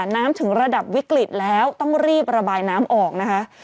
น้ำถึงระดับวิกฤตแล้วต้องรีบระบายน้ำออกนะคะ